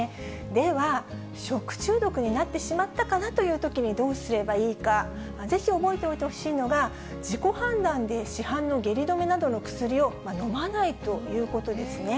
では、食中毒になってしまったかなというときに、どうすればいいか、ぜひ覚えておいてほしいのが、自己判断で市販の下痢止めなどの薬を飲まないということですね。